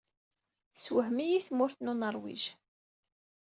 Tessewhem-iyi tmurt n Nuṛwij.